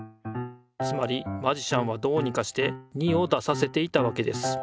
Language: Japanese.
つまりマジシャンはどうにかして２を出させていたわけです。